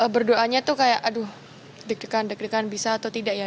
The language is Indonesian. berdoanya tuh kayak aduh deg degan deg degan bisa atau tidak ya